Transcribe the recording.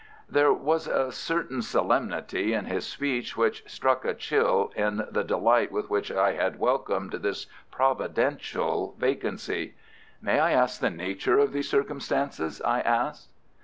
There was a certain solemnity in his speech which struck a chill in the delight with which I had welcomed this providential vacancy. "May I ask the nature of these circumstances?" I asked.